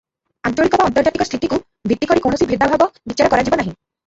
ଆଞ୍ଚଳିକ ବା ଆନ୍ତର୍ଜାତିକ ସ୍ଥିତିକୁ ଭିତ୍ତି କରି କୌଣସି ଭେଦାଭେଦ ବିଚାର କରାଯିବ ନାହିଁ ।